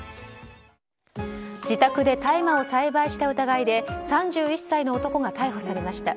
自宅で大麻を栽培した疑いで３１歳の男が逮捕されました。